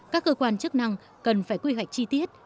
các cơ quan chức năng cần phải quy hoạch chi tiết